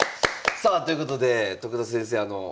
さあということで徳田先生